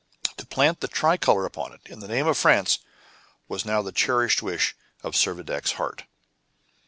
To plant the tricolor upon it, in the name of France, was now the cherished wish of Servadac's heart.